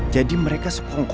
jadi mereka sekongkol menunggu